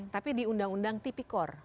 tapi di undang undang tipikor